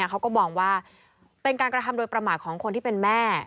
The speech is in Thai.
เขาก็มองว่าเป็นการกระทำโดยประมาทของคนที่เป็นแม่